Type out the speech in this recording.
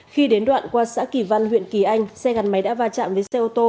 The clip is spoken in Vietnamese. khi đến đoạn qua xã kỳ văn huyện kỳ anh xe gắn máy đã va chạm với xe ô tô